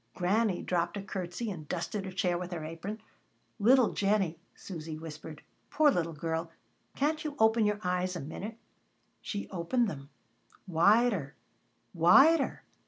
Granny dropped a curtesy, and dusted a chair with her apron. "Little Jennie," Susy whispered, "poor little girl, can't you open your eyes a minute?" She opened them wider wider.